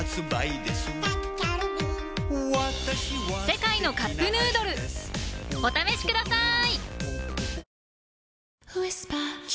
「世界のカップヌードル」お試しください！